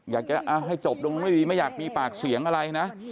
อยากจะให้จบลงด้วยดีไม่อยากมีปากเสียงอะไรนะ